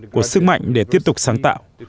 của sức mạnh để tiếp tục sáng tạo